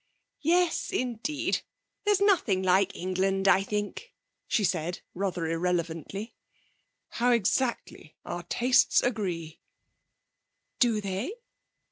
'Yes, indeed. There's nothing like England, I think,' she said rather irrelevantly. 'How exactly our tastes agree.' 'Do they?'